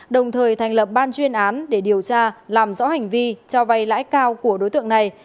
đồng thời thành lập ban chuyên án để điều tra làm rõ hành vi cho vay lãi cao của đối tượng này